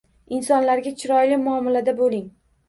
Insonlarga chiroyli muomalada bo‘ling.